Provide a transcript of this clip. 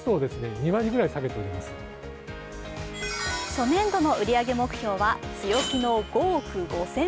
初年度の売り上げ目標は強気の５億５０００万円。